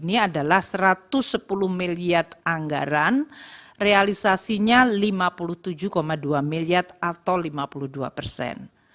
ini adalah satu ratus sepuluh miliar anggaran realisasinya lima puluh tujuh dua miliar atau lima puluh dua persen